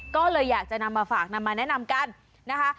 ก็เลยอยากจะนำมาฝากนำมาแนะนำกันนะคะ